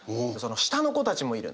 下の子たちもいるんで。